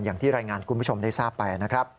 อย่างที่รายงานคุณผู้ชมได้ทราบไปนะครับ